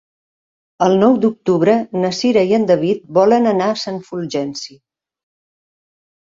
El nou d'octubre na Cira i en David volen anar a Sant Fulgenci.